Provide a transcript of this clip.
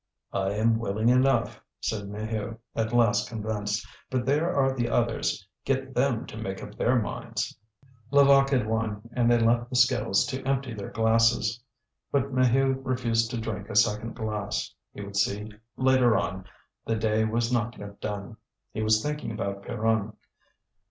"I am willing enough," said Maheu, at last convinced. "But there are the others; get them to make up their minds." Levaque had won, and they left the skittles to empty their glasses. But Maheu refused to drink a second glass; he would see later on, the day was not yet done. He was thinking about Pierron.